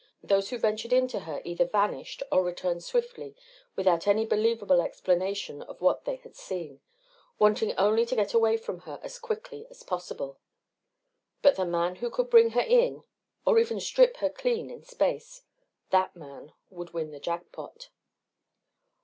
Those who ventured into her either vanished or returned swiftly without any believable explanation of what they had seen wanting only to get away from her as quickly as possible. But the man who could bring her in or even strip her clean in space that man would win the jackpot.